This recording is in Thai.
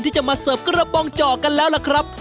ที่จะมาเสิร์ฟกระป๋องเจาะกันแล้วล่ะครับ